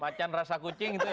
macan rasa kucing gitu ya